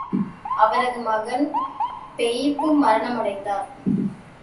அவரது மகன் பெயிபு மரணமடைந்தார்!